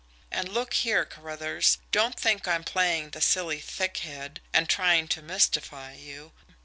And look here, Carruthers, don't think I'm playing the silly thickhead, and trying to mystify you.